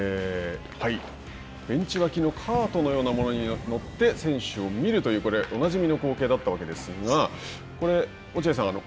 ベンチ脇のカートのようなものに乗って選手を見るというおなじみの光景だったわけですがこれ、落合さん